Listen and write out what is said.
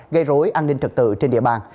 gây rối an ninh trật tự trên địa bàn